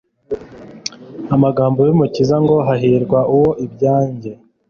Amagambo y'Umukiza ngo "Hahirwa uwo ibyanjye